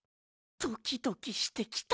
ドキドキしてきた。